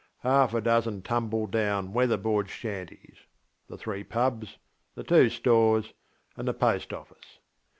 Half a dozen tumble down weather board shantiesŌĆöthe three pubs., the two stores, and the post office.